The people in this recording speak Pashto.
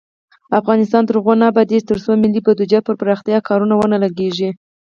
افغانستان تر هغو نه ابادیږي، ترڅو ملي بودیجه پر پراختیايي کارونو ونه لګیږي.